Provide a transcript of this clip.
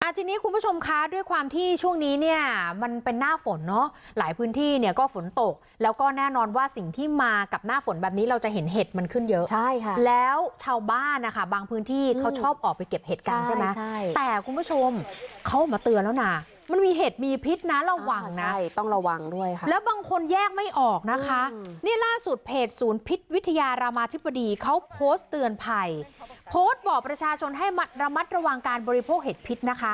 อาจินิคุณผู้ชมค่ะด้วยความที่ช่วงนี้เนี่ยมันเป็นหน้าฝนเนาะหลายพื้นที่เนี่ยก็ฝนตกแล้วก็แน่นอนว่าสิ่งที่มากับหน้าฝนแบบนี้เราจะเห็นเหตุมันขึ้นเยอะใช่ค่ะแล้วชาวบ้านนะคะบางพื้นที่เขาชอบออกไปเก็บเหตุกันใช่ไหมใช่แต่คุณผู้ชมเขามาเตือนแล้วน่ะมันมีเหตุมีพิษนะระวังน่ะใช่ต้องระวังด้